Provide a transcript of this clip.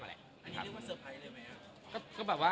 อันนี้นะ